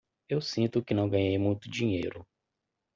Eu sinto que não ganhei muito dinheiro.